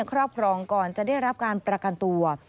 ครอบครองก่อนจะได้รับการประกันตัว